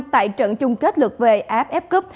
tại trận chung kết lượt vff cup